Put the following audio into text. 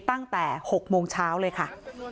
ตั้งแต่๖โมงเช้าเลยค่ะ